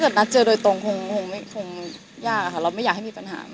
นัดเจอโดยตรงคงยากอะค่ะเราไม่อยากให้มีปัญหา